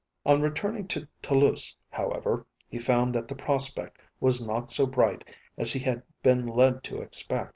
On returning to Toulouse, however, he found that the prospect was not so bright as he had been led to expect.